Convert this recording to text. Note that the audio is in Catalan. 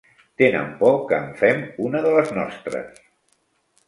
Tenen por que en fem una de les nostres.